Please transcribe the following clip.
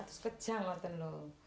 terus kejang waktu itu